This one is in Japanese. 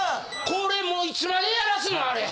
これもういつまでやらすのあれ。